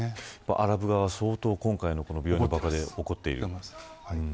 アラブ側は相当、今回の病院の件で怒っている。